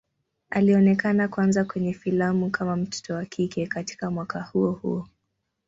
Alionekana kwanza kwenye filamu kama mtoto wa kike katika mwaka huo huo.